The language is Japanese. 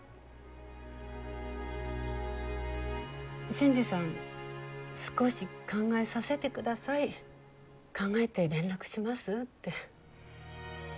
新次さん少し考えさせてください考えて連絡しますって。